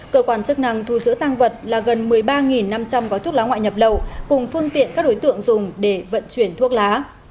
cơ quan chức năng thu giữ tăng vật là gần một mươi ba năm trăm linh gói thuốc lá ngoại nhập lậu cùng phương tiện các đối tượng dùng để vận chuyển thuốc lá